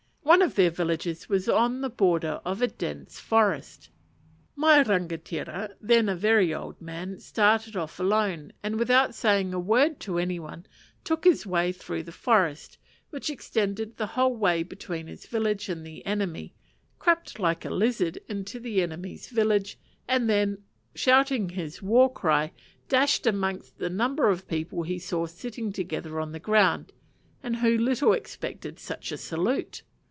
One of their villages was on the border of a dense forest. My rangatira, then a very old man, started off alone, and without saying a word to any one, took his way through the forest, which extended the whole way between his village and the enemy, crept like a lizard into the enemy's village, and then, shouting his war cry, dashed amongst a number of people he saw sitting together on the ground, and who little expected such a salute.